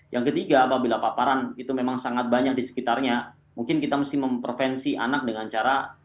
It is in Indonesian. yang ketiga apabila paparan itu memang sangat banyak di sekitarnya mungkin kita mesti mempervensi anak dengan cara